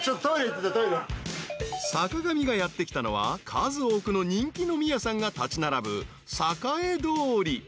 ［坂上がやって来たのは数多くの人気飲み屋さんが立ち並ぶ］